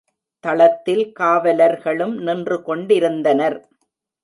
தளத்தில் காவலர்களும் நின்று கொண்டிருந்தனர்.